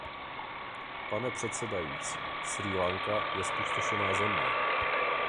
Pane předsedající, Srí Lanka je zpustošená země.